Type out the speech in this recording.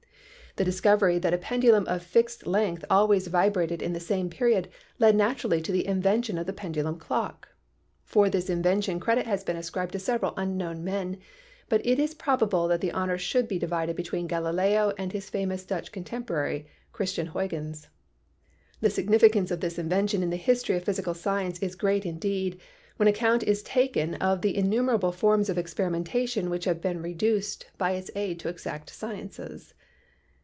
The discovery that a pendulum of fixed length always vibrated in the same period led naturally to the invention of the pendulum clock. For this invention credit has been ascribed to several unknown men, but it is probable that the honor should be divided between Galileo and his famous Dutch contemporary, Christian Huygens. The significance of this invention in the history of physical science is great indeed, when account is taken of the in numerable forms of experimentation which have been reduced by its aid to exact sciences.